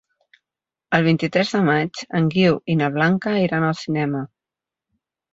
El vint-i-tres de maig en Guiu i na Blanca iran al cinema.